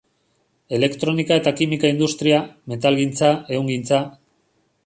Elektronika- eta kimika-industria, metalgintza, ehungintza.